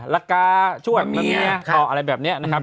ละกาชวสมะเมียอะไรแบบนี้นะครับ